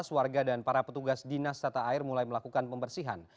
warga dan para petugas dinas tata air mulai melakukan pembersihan